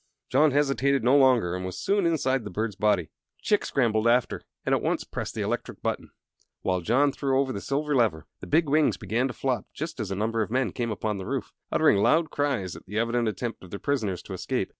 John hesitated no longer and was soon inside the bird's body. Chick scrambled after and at once pressed the electric button, while John threw over the silver lever. The big wings began to flop just as a number of men came upon the roof, uttering loud cries at the evident attempt of their prisoners to escape.